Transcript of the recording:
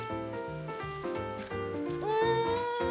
うん！